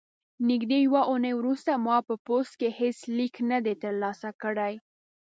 نږدې یوه اونۍ وروسته ما په پوسټ کې هیڅ لیک نه دی ترلاسه کړی.